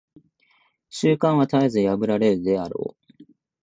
習慣は絶えず破られるであろう。